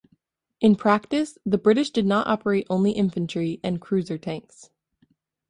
In practice the British did not operate only infantry and cruiser tanks.